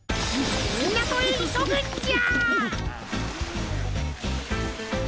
みなとへいそぐんじゃ！